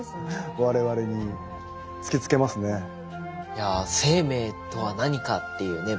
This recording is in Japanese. いや生命とは何かっていうね